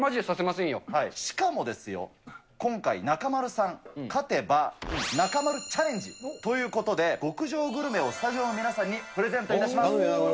しかもですよ、今回、中丸さん、勝てば、中丸チャレンジということで、極上グルメをスタジオの皆さんにプレゼントいたします。